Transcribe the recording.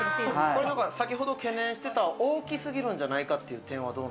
先ほど懸念していた、大きすぎるんじゃないかっていう点は？